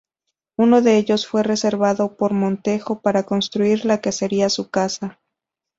Uno de ellos fue reservado por Montejo para construir la que sería su casa.